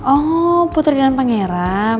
oh putri dan pangeran